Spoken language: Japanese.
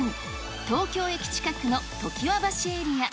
東京駅近くの常盤橋エリア。